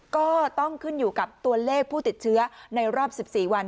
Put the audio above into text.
ก็ต้องขึ้นอยู่กับตัวเลขผู้ติดเชื้อในรอบ๑๔วัน